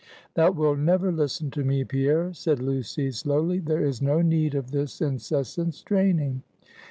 "Thou wilt never listen to me, Pierre," said Lucy lowly; "there is no need of this incessant straining.